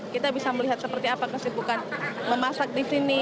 kita bisa melihat seperti apa kesibukan memasak di sini